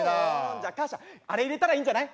じゃあかーしゃあれ入れたらいいんじゃない？